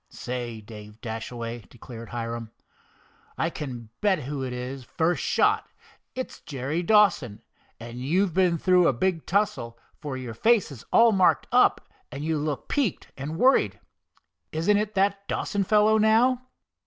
"Say, Dave Dashaway," declared Hiram. "I can bet who it is, first shot. It's Jerry Dawson, and you've been through a big tussle, for your face is all marked up and you look peaked and worried. Isn't it that Dawson fellow, now?"